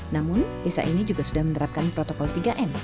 namun desa ini juga sudah menerapkan protokol tiga m